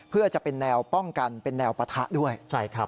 เพื่อจะเป็นแนวป้องกันเป็นแนวปะทะด้วย